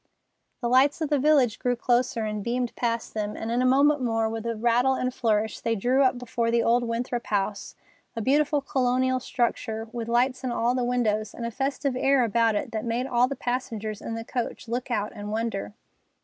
The lights of the village grew closer, and beamed past them, and in a moment more, with a rattle and flourish, they drew up before the old Winthrop house, a beautiful colonial structure, with lights in all the windows and a festive air about it that made all the passengers in the coach look out and wonder.